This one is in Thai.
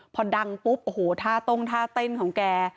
พอดังปุ๊บโอ้โหท่าต้งท่าเต้นของแก